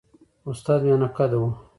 استاد میانه قده وو.